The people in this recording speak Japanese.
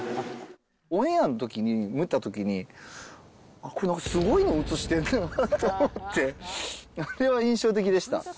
オンエアのときに、見たときに、あっ、これはすごいの映してるなと思って、あれは印象的でした。